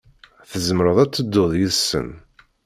Tzemreḍ ad tedduḍ yid-sen.